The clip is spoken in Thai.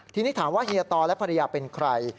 ทีนี้ถามว่าเฮียตอและภรรยาเป็นใคร